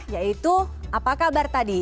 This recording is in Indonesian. yaitu apa kabar